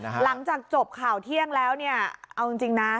หลังจากจบข่าวเที่ยงแล้วเนี่ยเอาจริงนะ